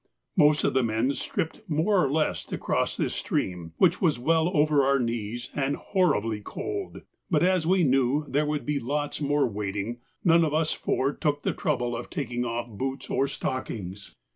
Most of the men stripped more or less to cross this stream, which was well over our knees and horribly cold, but as we knew there would be lots more wading, none of us four took the trouble of taking off boots or stockings.